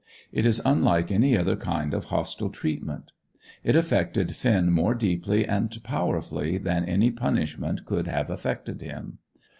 It is unlike any other kind of hostile treatment. It affected Finn more deeply and powerfully than any punishment could have affected him.